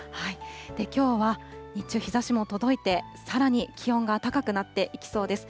きょうは日中、日ざしも届いて、さらに気温が高くなっていきそうです。